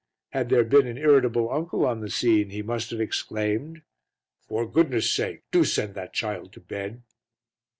Had there been an irritable uncle on the scene he must have exclaimed "For goodness' sake, do send that child to bed."